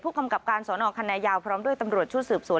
กำกับการสอนอคันนายาวพร้อมด้วยตำรวจชุดสืบสวน